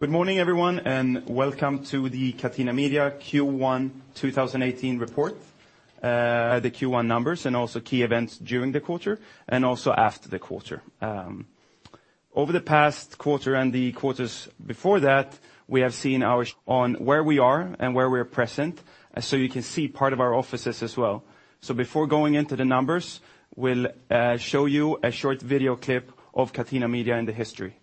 Good morning, everyone, welcome to the Catena Media Q1 2018 report, the Q1 numbers, and also key events during the quarter and also after the quarter. Over the past quarter and the quarters before that, we have seen where we are and where we're present, so you can see part of our offices as well. Before going into the numbers, we'll show you a short video clip of Catena Media and the history.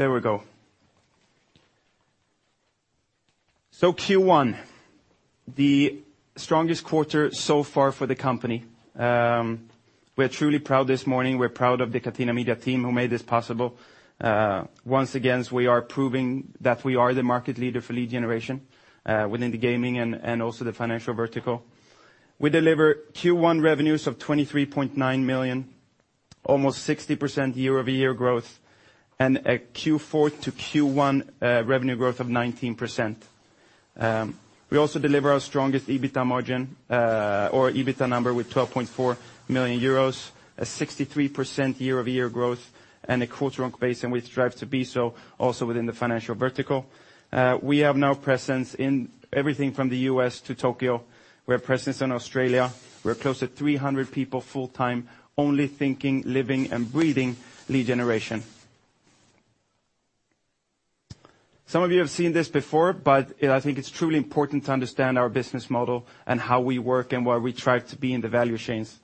There we go. Q1, the strongest quarter so far for the company. We're truly proud this morning. We're proud of the Catena Media team who made this possible. Once again, we are proving that we are the market leader for lead generation within the gaming and also the financial vertical. We deliver Q1 revenues of 23.9 million, almost 60% year-over-year growth, and a Q4 to Q1 revenue growth of 19%. We also deliver our strongest EBITDA margin, or EBITDA number with 12.4 million euros, a 63% year-over-year growth, and a quarter-on-quarter and we strive to be so also within the financial vertical. We have now presence in everything from the U.S. to Tokyo. We have presence in Australia. We're close to 300 people full-time, only thinking, living, and breathing lead generation. Some of you have seen this before, I think it's truly important to understand our business model and how we work and where we try to be in the value chains.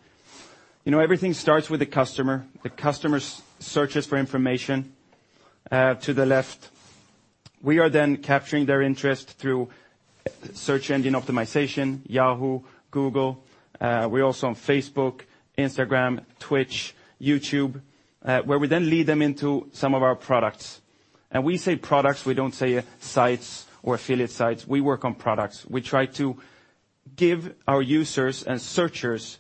Everything starts with the customer. The customer searches for information, to the left. We are then capturing their interest through search engine optimization, Yahoo, Google. We're also on Facebook, Instagram, Twitch, YouTube, where we then lead them into some of our products. We say products, we don't say sites or affiliate sites. We work on products. We try to give our users and searchers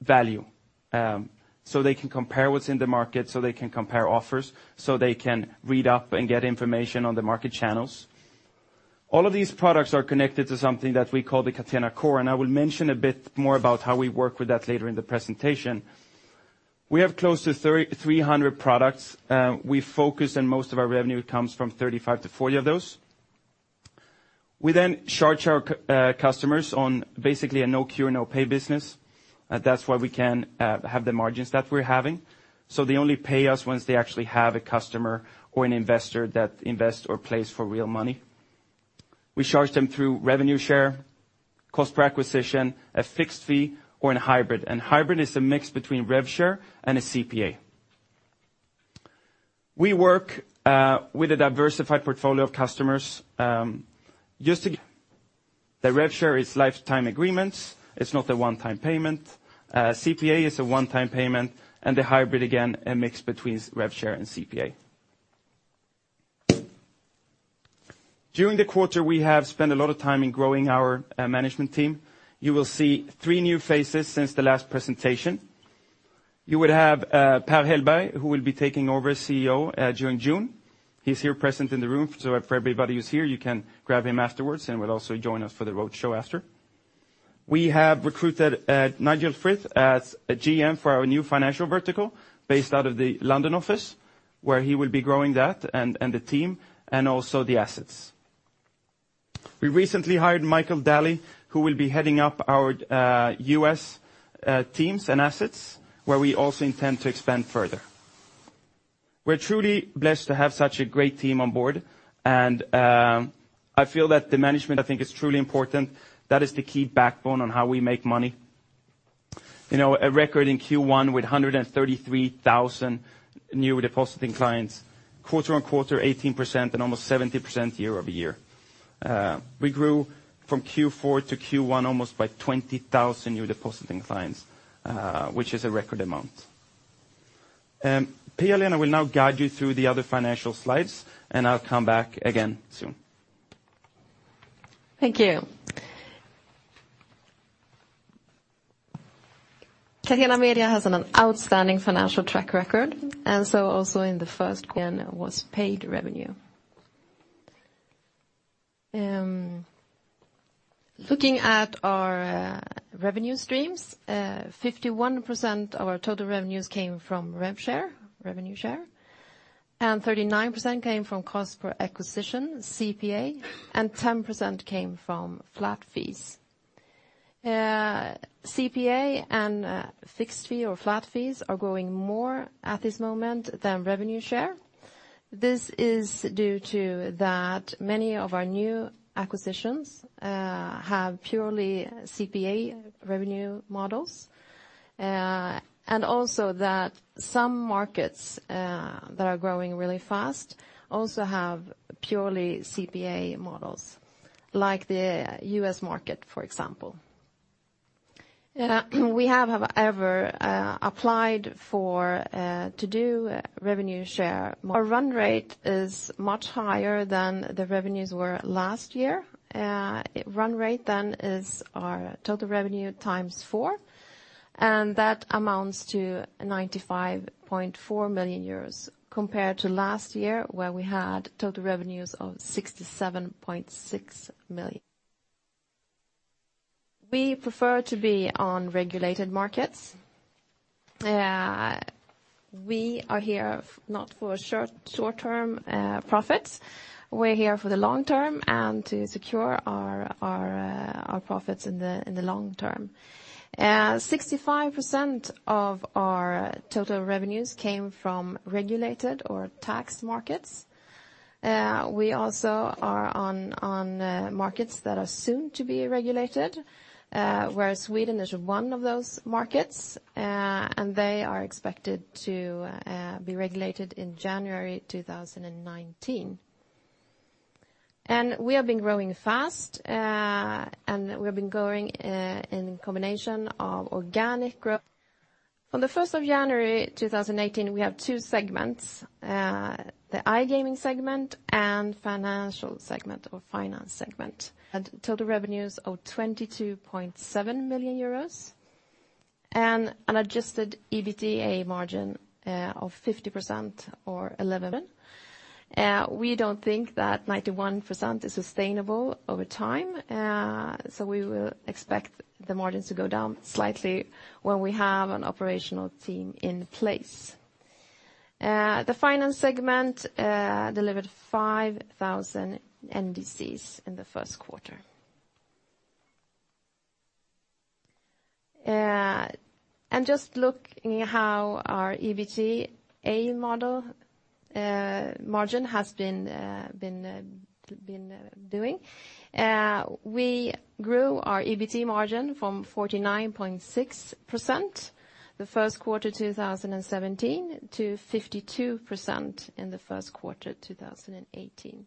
value, so they can compare what's in the market, so they can compare offers, so they can read up and get information on the market channels. All of these products are connected to something that we call the Catena Core, I will mention a bit more about how we work with that later in the presentation. We have close to 300 products. We focus and most of our revenue comes from 35 to 40 of those. We charge our customers on basically a no cure, no pay business. That's why we can have the margins that we're having. They only pay us once they actually have a customer or an investor that invests or plays for real money. We charge them through revenue share, cost per acquisition, a fixed fee, or a hybrid. Hybrid is a mix between rev share and a CPA. We work with a diversified portfolio of customers. The rev share is lifetime agreements. It's not a one-time payment. CPA is a one-time payment, the hybrid, again, a mix between rev share and CPA. During the quarter, we have spent a lot of time in growing our management team. You will see three new faces since the last presentation. You would have Per Hellberg, who will be taking over as CEO during June. He's here present in the room, so for everybody who's here, you can grab him afterwards, will also join us for the roadshow after. We have recruited Nigel Frith as a GM for our new financial vertical based out of the London office, where he will be growing that and the team, and also the assets. We recently hired Michael Daly, who will be heading up our U.S. teams and assets, where we also intend to expand further. We are truly blessed to have such a great team on board, and I feel that the management I think is truly important. That is the key backbone on how we make money. A record in Q1 with 133,000 new depositing clients, quarter-on-quarter, 18%, and almost 70% year-over-year. We grew from Q4 to Q1 almost by 20,000 new depositing clients, which is a record amount. Pia-Lena will now guide you through the other financial slides, and I will come back again soon. Thank you. Catena Media has an outstanding financial track record, and so also in the first quarter was paid revenue. Looking at our revenue streams, 51% of our total revenues came from rev share, revenue share, and 39% came from cost per acquisition, CPA, and 10% came from flat fees. CPA and fixed fee or flat fees are growing more at this moment than revenue share. This is due to that many of our new acquisitions have purely CPA revenue models, and also that some markets that are growing really fast also have purely CPA models, like the U.S. market, for example. We have never applied to do revenue share. Our run rate is much higher than the revenues were last year. Run rate then is our total revenue times four, and that amounts to 95.4 million euros compared to last year where we had total revenues of 67.6 million. We prefer to be on regulated markets. We are here not for short-term profits. We are here for the long term and to secure our profits in the long term. 65% of our total revenues came from regulated or taxed markets. We also are on markets that are soon to be regulated, where Sweden is one of those markets, and they are expected to be regulated in January 2019. We have been growing fast, and we have been growing in a combination of organic growth. From the 1st of January 2018, we have two segments, the iGaming segment and financial segment or finance segment, had total revenues of 22.7 million euros and an adjusted EBITDA margin of 50% or 11 million. We do not think that 91% is sustainable over time. So we will expect the margins to go down slightly when we have an operational team in place. The finance segment delivered 5,000 NDCs in the first quarter. Just looking how our EBITDA model margin has been doing, we grew our EBT margin from 49.6% the first quarter 2017 to 52% in the first quarter 2018.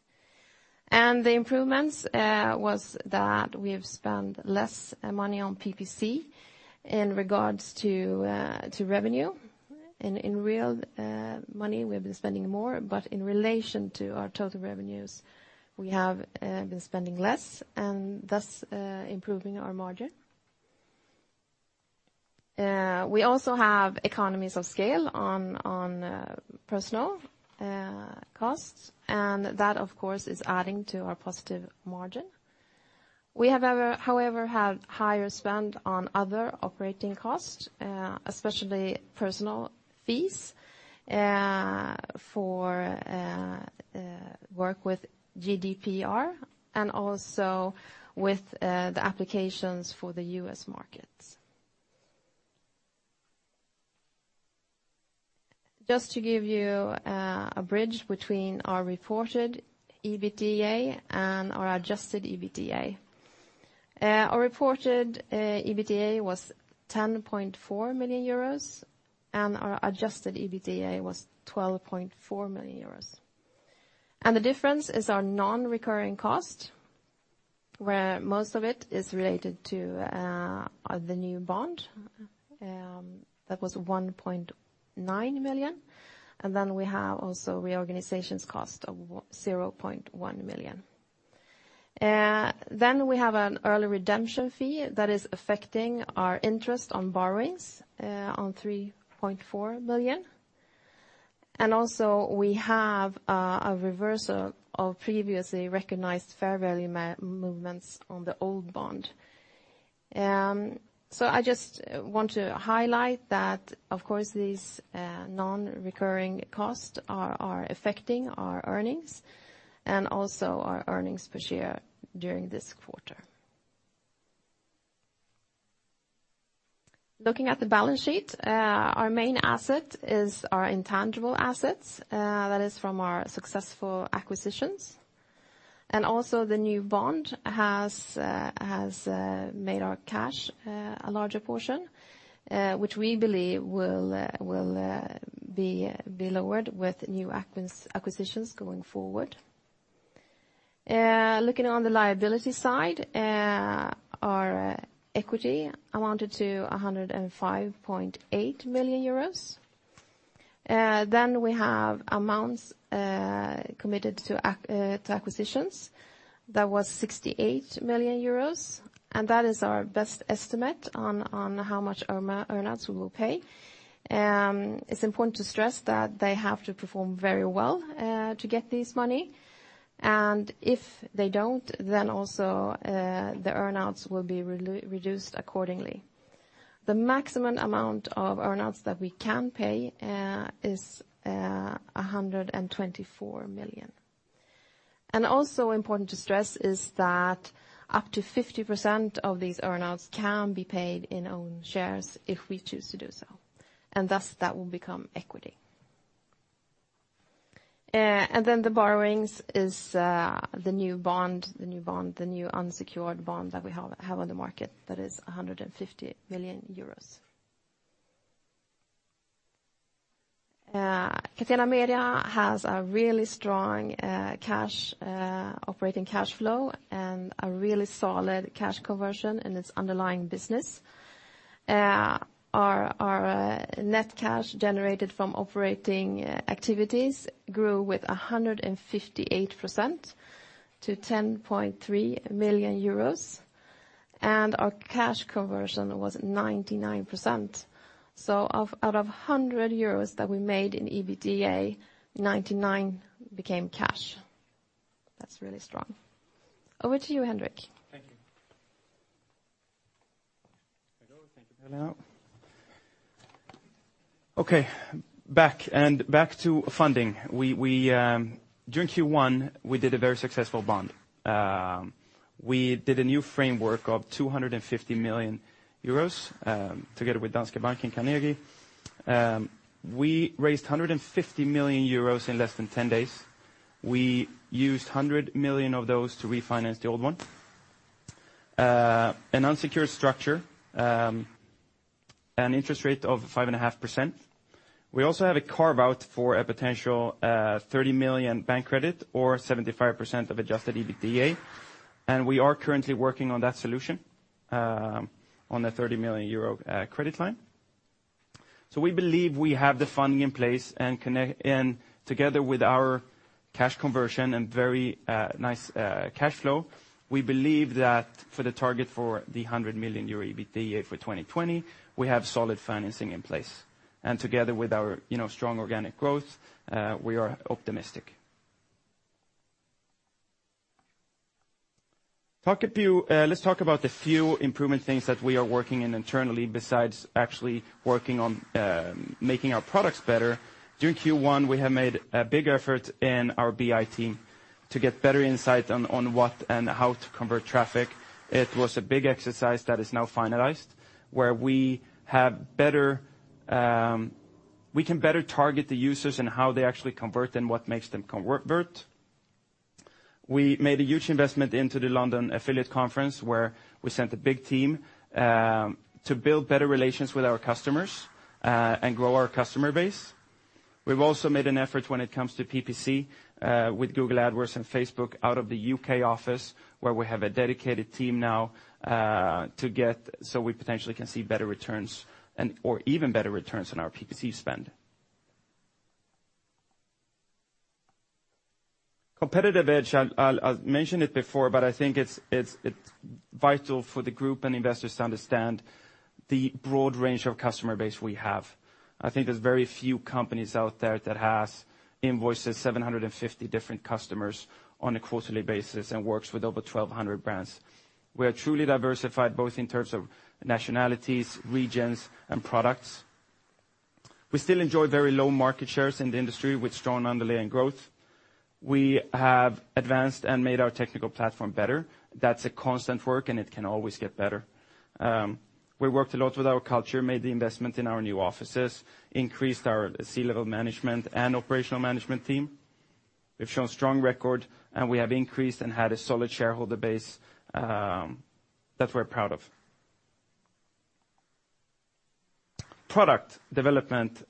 The improvements was that we have spent less money on PPC in regards to revenue. In real money, we have been spending more, but in relation to our total revenues, we have been spending less and thus improving our margin. We also have economies of scale on personnel costs, and that of course is adding to our positive margin. We have however, had higher spend on other operating costs, especially professional fees for work with GDPR and also with the applications for the U.S. markets. Just to give you a bridge between our reported EBITDA and our adjusted EBITDA. Our reported EBITDA was EUR 10.4 million, our adjusted EBITDA was 12.4 million euros. The difference is our non-recurring cost, where most of it is related to the new bond. That was 1.9 million. Then we have also reorganizations cost of 0.1 million. Then we have an early redemption fee that is affecting our interest on borrowings on 3.4 million. Also we have a reversal of previously recognized fair value movements on the old bond. I just want to highlight that, of course, these non-recurring costs are affecting our earnings and also our earnings per share during this quarter. Looking at the balance sheet, our main asset is our intangible assets. That is from our successful acquisitions. Also the new bond has made our cash a larger portion, which we believe will be lowered with new acquisitions going forward. Looking on the liability side, our equity amounted to 105.8 million euros. Then we have amounts committed to acquisitions. That was 68 million euros. That is our best estimate on how much earnouts we will pay. It is important to stress that they have to perform very well to get this money. If they don't, then also the earnouts will be reduced accordingly. The maximum amount of earnouts that we can pay is 124 million. Also important to stress is that up to 50% of these earnouts can be paid in own shares if we choose to do so. Thus that will become equity. Then the borrowings is the new bond, the new unsecured bond that we have on the market. That is 150 million euros. Catena Media has a really strong operating cash flow and a really solid cash conversion in its underlying business. Our net cash generated from operating activities grew with 158% to 10.3 million euros, our cash conversion was 99%. Out of 100 euros that we made in EBITDA, 99 became cash. That is really strong. Over to you, Henrik. Thank you. Hello. Thank you, Pia-Lena. Back, back to funding. During Q1, we did a very successful bond. We did a new framework of 250 million euros, together with Danske Bank and Carnegie. We raised 150 million euros in less than 10 days. We used 100 million of those to refinance the old one. An unsecured structure, an interest rate of 5.5%. We also have a carve-out for a potential 30 million bank credit or 75% of adjusted EBITDA, we are currently working on that solution, on the 30 million euro credit line. We believe we have the funding in place, together with our cash conversion and very nice cash flow, we believe that for the target for the 100 million euro EBITDA for 2020, we have solid financing in place. Together with our strong organic growth, we are optimistic. Let's talk about a few improvement things that we are working in internally besides actually working on making our products better. During Q1, we have made a big effort in our BI team to get better insight on what and how to convert traffic. It was a big exercise that is now finalized, where we can better target the users and how they actually convert and what makes them convert. We made a huge investment into the London Affiliate Conference, where we sent a big team to build better relations with our customers and grow our customer base. We've also made an effort when it comes to PPC with Google AdWords and Facebook out of the U.K. office, where we have a dedicated team now, so we potentially can see better returns or even better returns on our PPC spend. Competitive edge. I've mentioned it before, but I think it's vital for the group and investors to understand the broad range of customer base we have. I think there's very few companies out there that has invoiced 750 different customers on a quarterly basis and works with over 1,200 brands. We are truly diversified, both in terms of nationalities, regions, and products. We still enjoy very low market shares in the industry with strong underlying growth. We have advanced and made our technical platform better. That's a constant work, and it can always get better. We worked a lot with our culture, made the investment in our new offices, increased our C-level management and operational management team. We've shown strong record, and we have increased and had a solid shareholder base that we're proud of. Product development,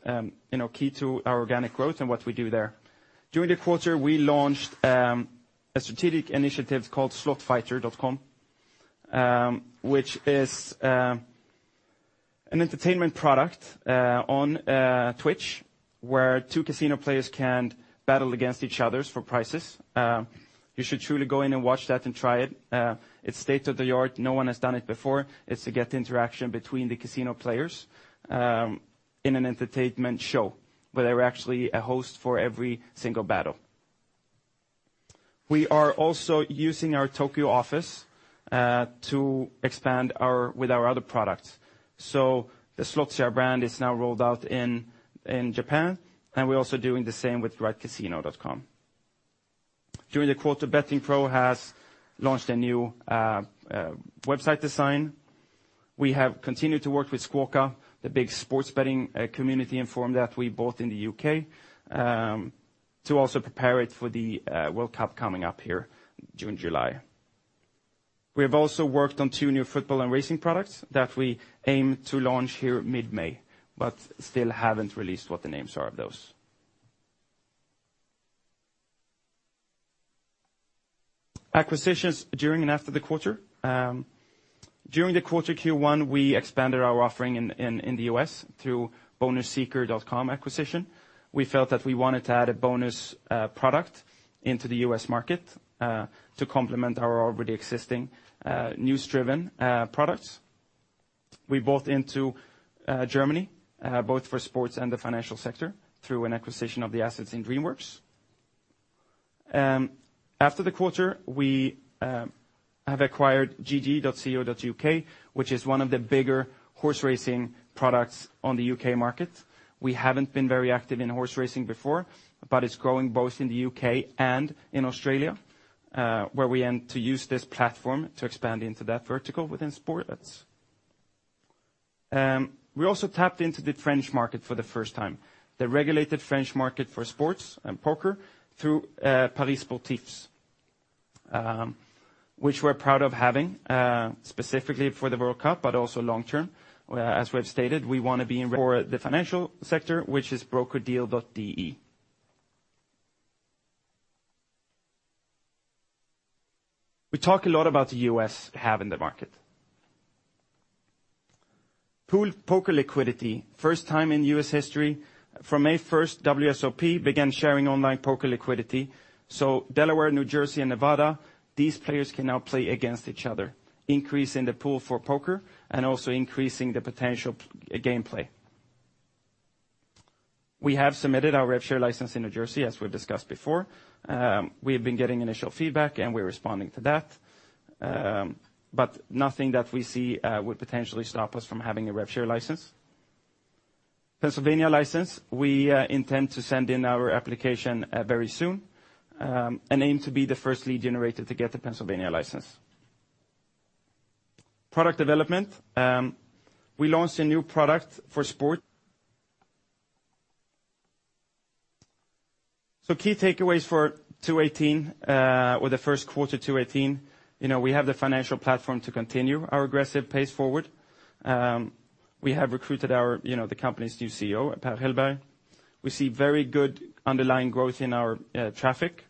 key to our organic growth and what we do there. During the quarter, we launched a strategic initiative called slotfighter.com, which is an entertainment product on Twitch where two casino players can battle against each other for prizes. You should truly go in and watch that and try it. It's state-of-the-art. No one has done it before. It's to get interaction between the casino players in an entertainment show, where there are actually a host for every single battle. We are also using our Tokyo office to expand with our other products. The Slotsia brand is now rolled out in Japan, and we're also doing the same with radcasino.com. During the quarter, BettingPro has launched a new website design. We have continued to work with Squawka, the big sports betting community and forum that we bought in the U.K., to also prepare it for the World Cup coming up here, June, July. We have also worked on two new football and racing products that we aim to launch here mid-May, but still haven't released what the names are of those. Acquisitions during and after the quarter. During the quarter Q1, we expanded our offering in the U.S. through bonusseeker.com acquisition. We felt that we wanted to add a bonus product into the U.S. market to complement our already existing news-driven products. We bought into Germany, both for sports and the financial sector, through an acquisition of the assets in Dreamworx. After the quarter, we have acquired gg.co.uk, which is one of the bigger horse racing products on the U.K. market. We haven't been very active in horse racing before, but it's growing both in the U.K. and in Australia, where we aim to use this platform to expand into that vertical within sports. We also tapped into the French market for the first time, the regulated French market for sports and poker through Paris Sportifs. Which we're proud of having, specifically for the World Cup, but also long-term. As we have stated, we want to be for the financial sector, which is BrokerDeal.de. We talk a lot about the U.S. have in the market. Pooled poker liquidity, first time in U.S. history, from May 1st, WSOP began sharing online poker liquidity. Delaware, New Jersey, and Nevada, these players can now play against each other, increasing the pool for poker and also increasing the potential gameplay. We have submitted our rev share license in New Jersey, as we've discussed before. We have been getting initial feedback, and we're responding to that. Nothing that we see would potentially stop us from having a rev share license. Pennsylvania license, we intend to send in our application very soon, and aim to be the first lead generator to get the Pennsylvania license. Product development. We launched a new product for sport. Key takeaways for 2018, or the first quarter 2018, we have the financial platform to continue our aggressive pace forward. We have recruited the company's new CEO, Per Hellberg. We see very good underlying growth in our traffic.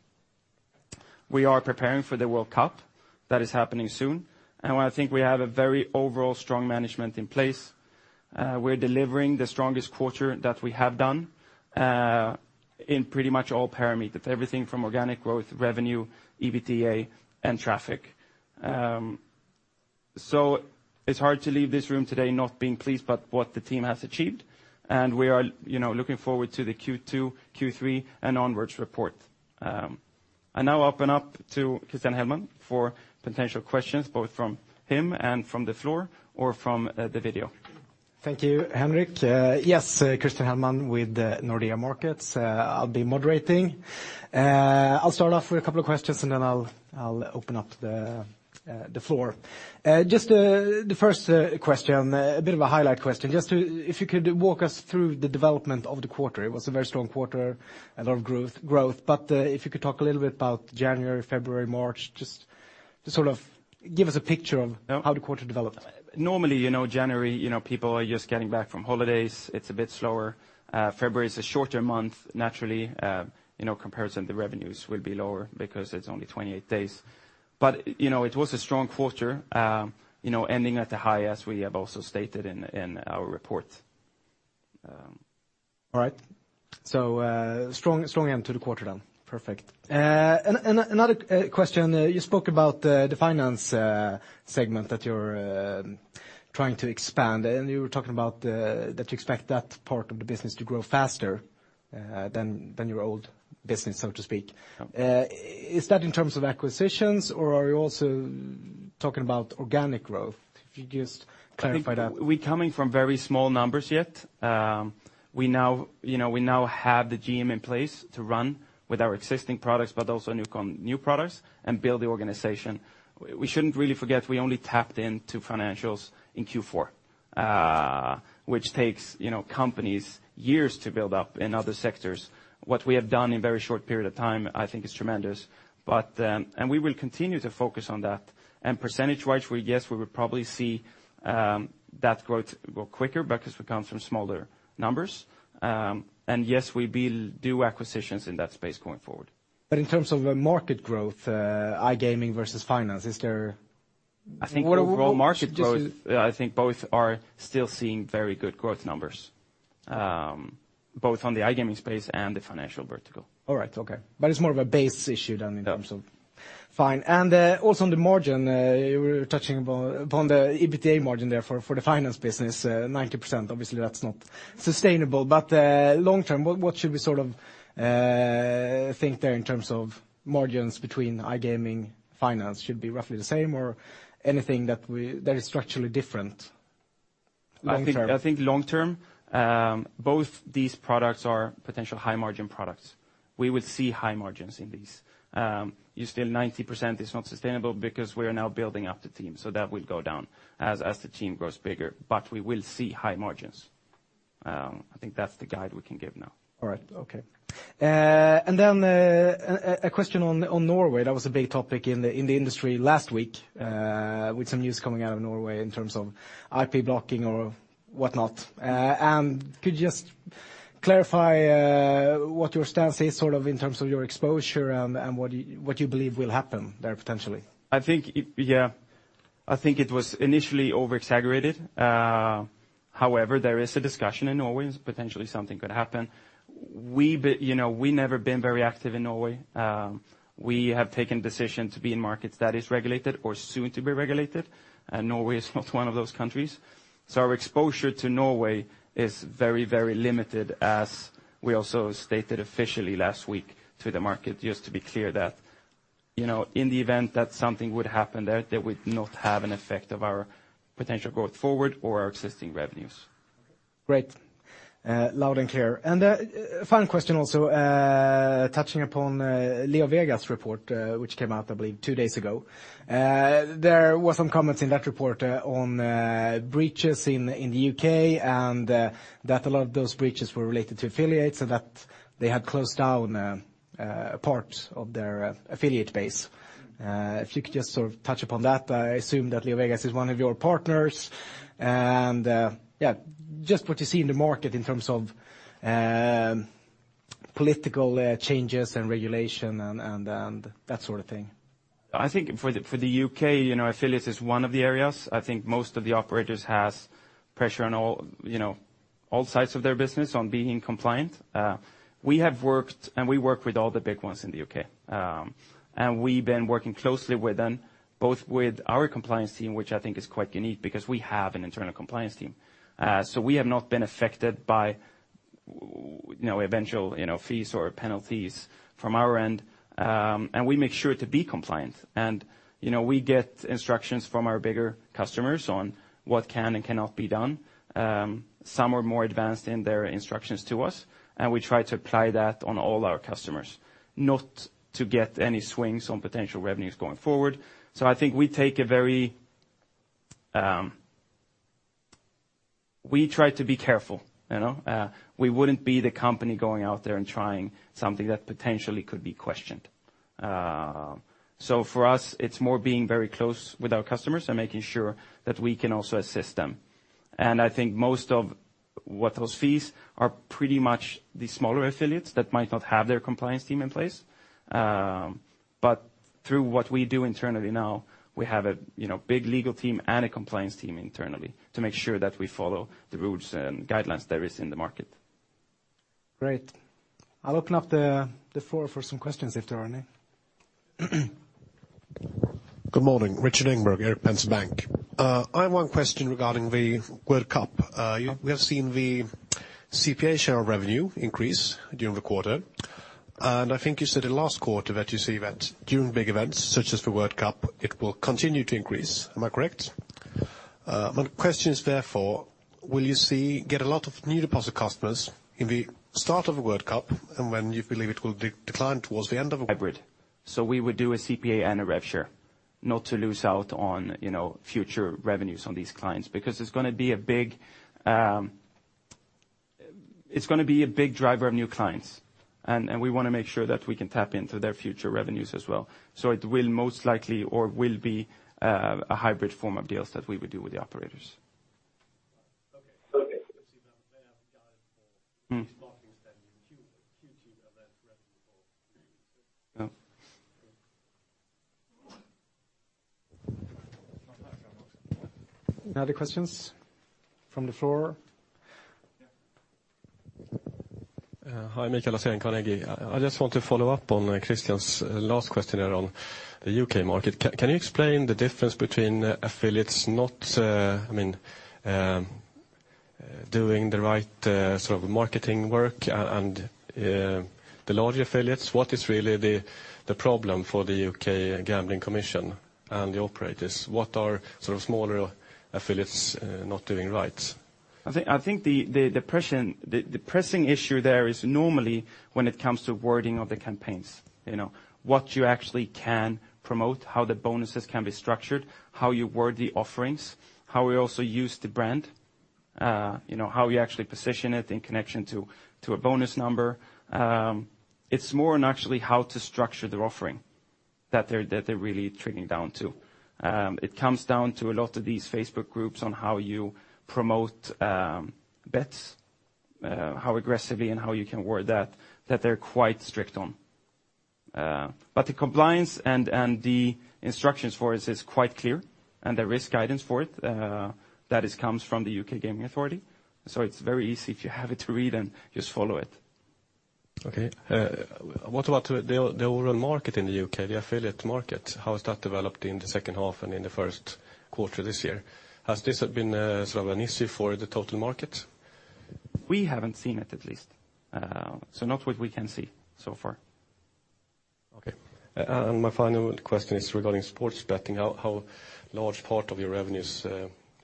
We are preparing for the World Cup. That is happening soon. I think we have a very overall strong management in place. We're delivering the strongest quarter that we have done in pretty much all parameters. Everything from organic growth, revenue, EBITDA, and traffic. It's hard to leave this room today not being pleased about what the team has achieved, and we are looking forward to the Q2, Q3, and onwards report. I now open up to Christian Hellman for potential questions, both from him and from the floor, or from the video. Thank you, Henrik. Yes, Christian Hellman with Nordea Markets. I'll be moderating. I'll start off with a couple of questions, and then I'll open up the floor. Just the first question, a bit of a highlight question. If you could walk us through the development of the quarter. It was a very strong quarter, a lot of growth. If you could talk a little bit about January, February, March, just to sort of give us a picture of how the quarter developed. Normally, January, people are just getting back from holidays. It's a bit slower. February's a shorter month, naturally, comparison, the revenues will be lower because it's only 28 days. It was a strong quarter, ending at the high, as we have also stated in our report. All right. Strong end to the quarter, then. Perfect. Another question. You spoke about the finance segment that you're trying to expand, and you were talking about that you expect that part of the business to grow faster than your old business, so to speak. Yeah. Is that in terms of acquisitions, or are you also talking about organic growth? If you could just clarify that. I think we are coming from very small numbers yet. We now have the GM in place to run with our existing products, but also new products, and build the organization. We shouldn't really forget we only tapped into financials in Q4, which takes companies years to build up in other sectors. What we have done in a very short period of time, I think is tremendous. We will continue to focus on that, and percentage-wise, yes, we will probably see that growth go quicker because it comes from smaller numbers. Yes, we will do acquisitions in that space going forward. In terms of market growth, iGaming versus finance, is there? I think overall market growth. Just to. I think both are still seeing very good growth numbers, both on the iGaming space and the financial vertical. Okay. It's more of a base issue than in terms of. Yeah. Fine. Also on the margin, you were touching upon the EBITDA margin there for the finance business, 90%. Obviously, that's not sustainable. Long-term, what should we sort of think there in terms of margins between iGaming, finance? Should it be roughly the same, or anything that is structurally different long-term? I think long-term, both these products are potential high-margin products. We will see high margins in these. Still, 90% is not sustainable because we are now building up the team, so that will go down as the team grows bigger. We will see high margins. I think that's the guide we can give now. All right. Okay. Then a question on Norway. That was a big topic in the industry last week, with some news coming out of Norway in terms of IP blocking or whatnot. Could you just clarify what your stance is sort of in terms of your exposure and what you believe will happen there potentially? Yeah. I think it was initially over-exaggerated. However, there is a discussion in Norway, potentially something could happen. We never been very active in Norway. We have taken decision to be in markets that is regulated or soon to be regulated, Norway is not one of those countries. Our exposure to Norway is very limited, as we also stated officially last week to the market, just to be clear that in the event that something would happen there, that would not have an effect of our potential growth forward or our existing revenues. Okay. Great. Loud and clear. A final question, also, touching upon LeoVegas report, which came out, I believe, two days ago. There were some comments in that report on breaches in the U.K., and that a lot of those breaches were related to affiliates, and that they had closed down a part of their affiliate base. If you could just sort of touch upon that. I assume that LeoVegas is one of your partners, and yes, just what you see in the market in terms of political changes and regulation and that sort of thing. I think for the U.K., affiliates is one of the areas. I think most of the operators has pressure on all sides of their business on being compliant. We have worked and we work with all the big ones in the U.K. We've been working closely with them, both with our compliance team, which I think is quite unique, because we have an internal compliance team. We have not been affected by eventual fees or penalties from our end, and we make sure to be compliant. We get instructions from our bigger customers on what can and cannot be done. Some are more advanced in their instructions to us, and we try to apply that on all our customers, not to get any swings on potential revenues going forward. I think we try to be careful. We wouldn't be the company going out there and trying something that potentially could be questioned. For us, it's more being very close with our customers and making sure that we can also assist them. I think most of what those fees are pretty much the smaller affiliates that might not have their compliance team in place. Through what we do internally now, we have a big legal team and a compliance team internally to make sure that we follow the rules and guidelines there is in the market. Great. I will open up the floor for some questions if there are any. Good morning. Rikard Engberg, Erik Penser Bank. I have one question regarding the World Cup. We have seen the CPA share of revenue increase during the quarter. I think you said in the last quarter that you see during big events such as the World Cup, it will continue to increase. Am I correct? My question is therefore, will you get a lot of new deposit customers in the start of the World Cup and when you believe it will decline towards the end of- Hybrid. We would do a CPA and a rev share, not to lose out on future revenues on these clients, because it is going to be a big driver of new clients, and we want to make sure that we can tap into their future revenues as well. It will most likely or will be a hybrid form of deals that we would do with the operators. Okay. You have a guide for- Q2 event revenue for 2018. Yeah. Any other questions from the floor? Hi. Mikael Lassén, Carnegie. I just want to follow up on Christian's last question around the U.K. market. Can you explain the difference between affiliates not doing the right sort of marketing work and the larger affiliates? What is really the problem for the U.K. Gambling Commission and the operators? What are sort of smaller affiliates not doing right? I think the pressing issue there is normally when it comes to wording of the campaigns. What you actually can promote, how the bonuses can be structured, how you word the offerings, how we also use the brand, how we actually position it in connection to a bonus number. It's more on actually how to structure their offering that they're really tracking down to. It comes down to a lot of these Facebook groups on how you promote bets, how aggressively and how you can word that they're quite strict on. The compliance and the instructions for it is quite clear, and there is guidance for it, that it comes from the U.K. Gambling Commission. It's very easy if you have it to read and just follow it. Okay. What about the overall market in the U.K., the affiliate market? How has that developed in the second half and in the first quarter this year? Has this been sort of an issue for the total market? We haven't seen it at least. Not what we can see so far. Okay. My final question is regarding sports betting. How large part of your revenues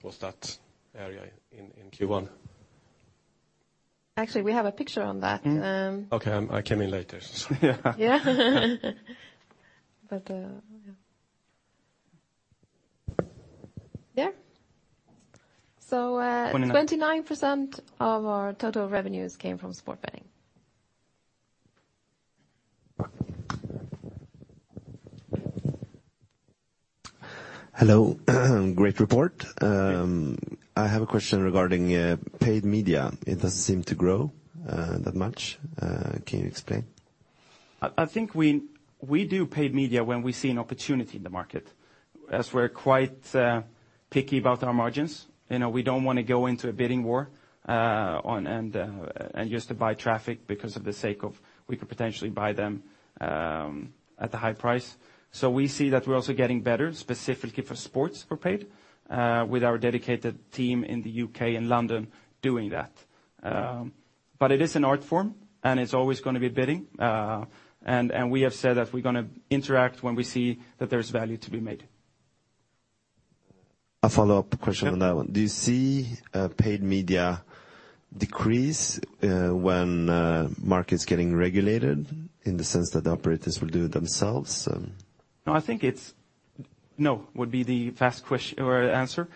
was that area in Q1? Actually, we have a picture on that. Okay. I came in later. Yeah. Yeah. There. 29 29% of our total revenues came from sports betting. Hello. Great report. Thank you. I have a question regarding paid media. It doesn't seem to grow that much. Can you explain? I think we do paid media when we see an opportunity in the market, as we're quite picky about our margins. We don't want to go into a bidding war and just to buy traffic because of the sake of we could potentially buy them at a high price. We see that we're also getting better, specifically for sports, for paid, with our dedicated team in the U.K. and London doing that. It is an art form, and it's always going to be bidding. We have said that we're going to interact when we see that there's value to be made. A follow-up question on that one. Yeah. Do you see paid media decrease when market's getting regulated in the sense that the operators will do it themselves? No, I think it's no, would be the fast answer.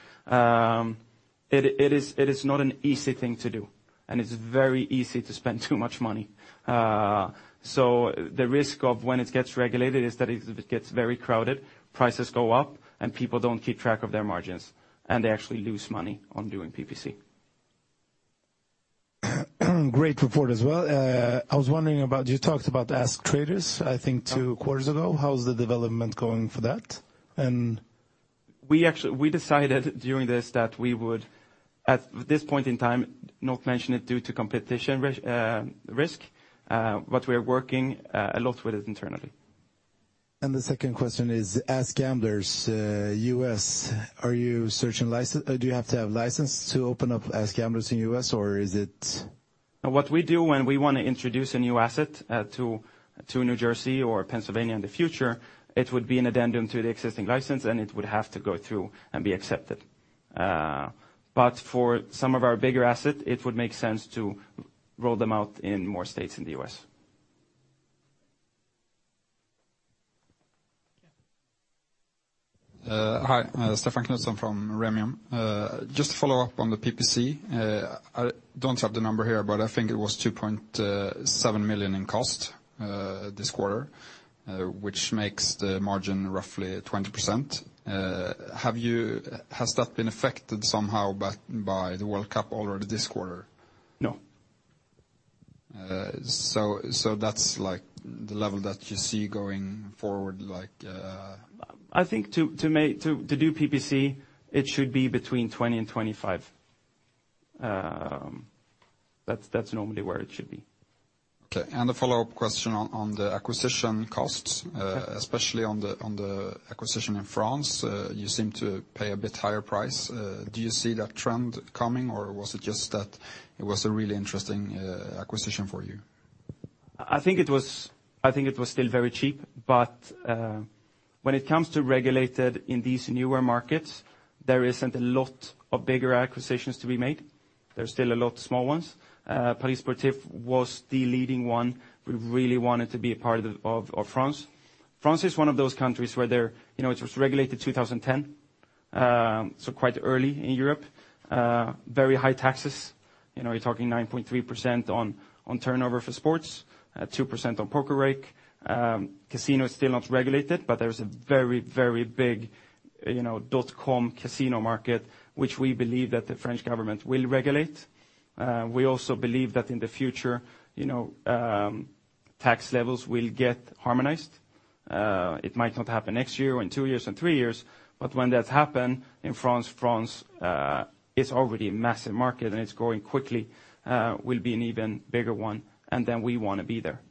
It is not an easy thing to do, and it's very easy to spend too much money. The risk of when it gets regulated is that it gets very crowded, prices go up, and people don't keep track of their margins, and they actually lose money on doing PPC. Great report as well. I was wondering, you talked about AskTraders, I think two quarters ago. How's the development going for that? We decided during this that we would, at this point in time, not mention it due to competition risk, but we are working a lot with it internally. The second question is AskGamblers, U.S., do you have to have license to open up AskGamblers in U.S., or is it What we do when we want to introduce a new asset to New Jersey or Pennsylvania in the future, it would be an addendum to the existing license and it would have to go through and be accepted. For some of our bigger asset, it would make sense to roll them out in more states in the U.S. Yeah. Hi. Stefan Knutsson from Remium. Just to follow up on the PPC. I don't have the number here, but I think it was 2.7 million in cost, this quarter, which makes the margin roughly 20%. Has that been affected somehow by the World Cup already this quarter? No. That's like the level that you see going forward. I think to do PPC, it should be between 20 and 25. That's normally where it should be. Okay. A follow-up question on the acquisition costs, especially on the acquisition in France, you seem to pay a bit higher price. Do you see that trend coming, or was it just that it was a really interesting acquisition for you? I think it was still very cheap, when it comes to regulated in these newer markets, there isn't a lot of bigger acquisitions to be made. There's still a lot of small ones. ParisSportifs.com was the leading one. We really wanted to be a part of France. France is one of those countries where it was regulated 2010, so quite early in Europe. Very high taxes, you're talking 9.3% on turnover for sports, 2% on poker rake. Casino is still not regulated, but there's a very, very big .com casino market, which we believe that the French government will regulate. We also believe that in the future, tax levels will get harmonized. It might not happen next year, in two years, in three years, when that happen in France is already a massive market, and it's growing quickly, will be an even bigger one, then we want to be there.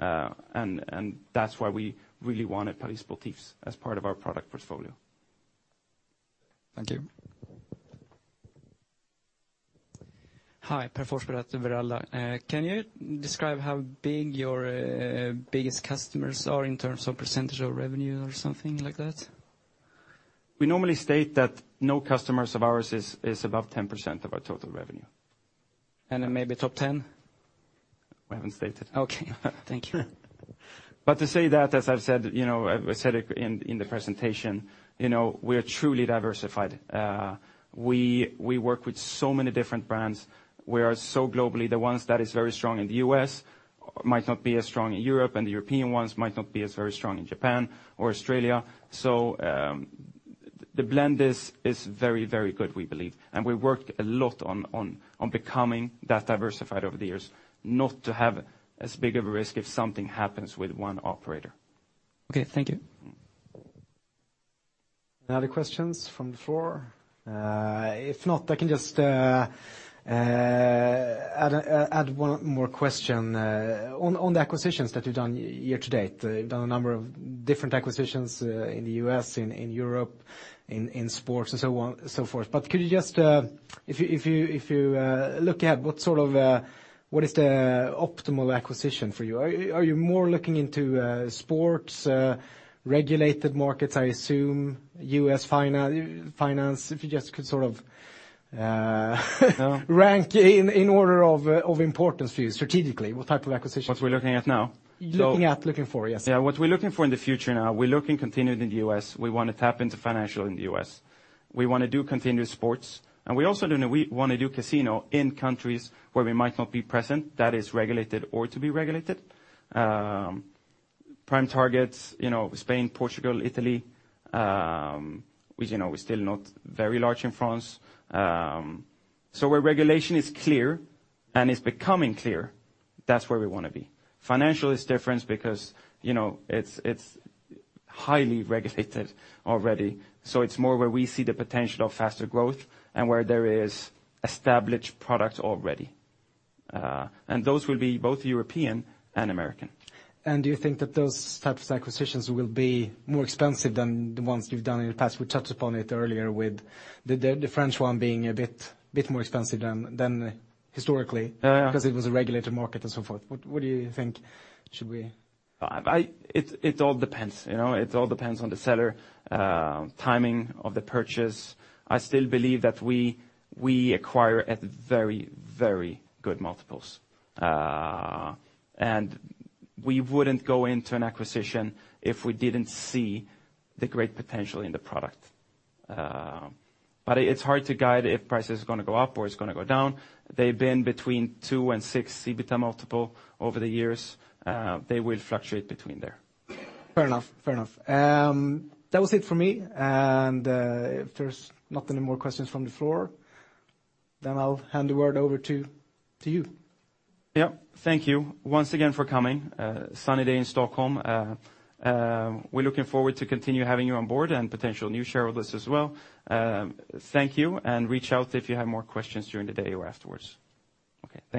That's why we really wanted ParisSportifs.com as part of our product portfolio. Thank you. Hi. Per Forsberg at Veranda. Can you describe how big your biggest customers are in terms of percentage of revenue or something like that? We normally state that no customers of ours is above 10% of our total revenue. Then maybe top 10? We haven't stated. Okay, thank you. To say that, as I've said in the presentation, we are truly diversified. We work with so many different brands. We are so globally. The ones that is very strong in the U.S. might not be as strong in Europe, and the European ones might not be as very strong in Japan or Australia. The blend is very, very good, we believe, and we worked a lot on becoming that diversified over the years. Not to have as big of a risk if something happens with one operator. Okay. Thank you. Any other questions from the floor? If not, I can just add one more question. On the acquisitions that you've done year to date, done a number of different acquisitions, in the U.S., in Europe, in sports and so on, so forth. Could you just, if you look at what is the optimal acquisition for you? Are you more looking into sports, regulated markets, I assume, U.S. finance? If you just could sort of rank in order of importance for you strategically, what type of acquisitions- What we're looking at now? Looking at, looking for, yes. Yeah. What we're looking for in the future now, we're looking continued in the U.S. We want to tap into financial in the U.S. We also want to do continued sports, and we also want to do casino in countries where we might not be present, that is regulated or to be regulated. Prime targets, Spain, Portugal, Italy. We're still not very large in France. Where regulation is clear and is becoming clear, that's where we want to be. Financial is different because it's highly regulated already. It's more where we see the potential of faster growth and where there is established product already. Those will be both European and American. Do you think that those types of acquisitions will be more expensive than the ones you've done in the past? We touched upon it earlier with the French one being a bit more expensive than historically- Yeah because it was a regulated market and so forth. What do you think? It all depends. It all depends on the seller, timing of the purchase. I still believe that we acquire at very, very good multiples. We wouldn't go into an acquisition if we didn't see the great potential in the product. It's hard to guide if price is going to go up or it's going to go down. They've been between 2-6 EBITDA multiple over the years. They will fluctuate between there. Fair enough. That was it for me. If there's not any more questions from the floor, then I'll hand the word over to you. Yep. Thank you once again for coming. Sunny day in Stockholm. We're looking forward to continue having you on board and potential new shareholders as well. Thank you. Reach out if you have more questions during the day or afterwards. Okay, thank you